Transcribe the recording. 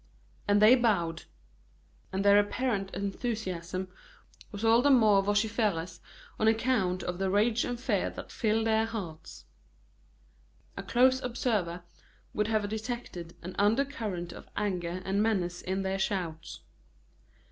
And they bowed. And their apparent enthusiasm was all the more vociferous on account of the rage and fear that filled their hearts. A close observer would have detected an undercurrent of anger and menace in their shouts.